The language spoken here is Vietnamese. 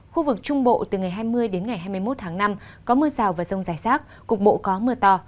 khu vực trung bộ từ ngày hai mươi hai mươi một tháng năm có mưa rào và rông dài rác cục bộ có mưa to